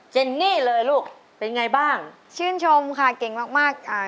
เนนี่เลยลูกเป็นไงบ้างชื่นชมค่ะเก่งมากมากอ่า